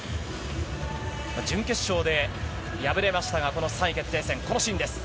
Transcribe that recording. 準決勝で敗れましたが、この３位決定戦、このシーンです。